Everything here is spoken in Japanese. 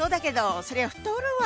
そりゃ太るわ。